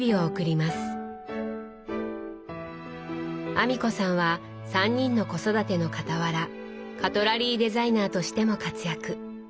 阿美子さんは３人の子育てのかたわらカトラリーデザイナーとしても活躍。